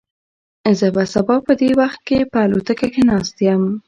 زه به سبا په دې وخت کې په الوتکه کې ناست یم.